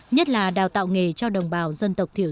nhất là đào tạo nghề cho đồng bào dân tộc thiểu số